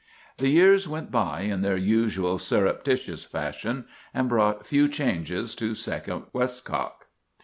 "The years went by in their usual surreptitious fashion, and brought few changes to Second Westcock.